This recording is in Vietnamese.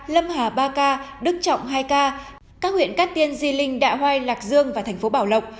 lâm hà ba ca đức trọng hai ca các huyện cát tiên di linh đạ hoai lạc dương và thành phố bảo lộc